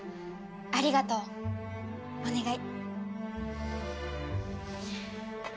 ありがとうお願い。